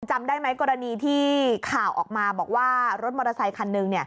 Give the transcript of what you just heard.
จำได้ไหมกรณีที่ข่าวออกมาบอกว่ารถมอเตอร์ไซคันหนึ่ง